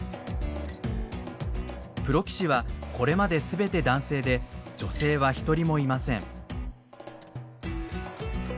プロ棋士はこれまで全て男性で女性は一人もいません。